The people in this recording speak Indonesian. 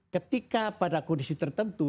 ketika pada kondisi tertentu